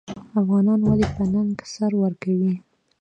افغانان ولې په ننګ سر ورکوي؟